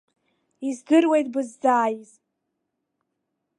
Издыруеит быззааиз.